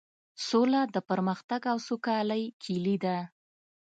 سوله د پرمختګ او سوکالۍ کیلي ده.